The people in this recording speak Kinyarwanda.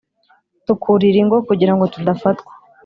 Tukurira ingo kugira ngo tudafatwa